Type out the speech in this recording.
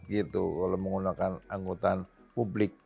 kalau menggunakan anggota publik